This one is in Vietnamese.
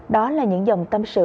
đó là những dòng tâm sự